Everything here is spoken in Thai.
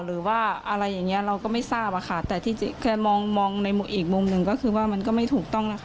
หรือว่าอะไรอย่างเงี้ยเราก็ไม่ทราบอะค่ะแต่ที่แค่มองมองในอีกมุมหนึ่งก็คือว่ามันก็ไม่ถูกต้องนะคะ